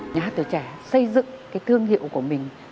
nhà hát tuổi trẻ xây dựng cái thương hiệu của mình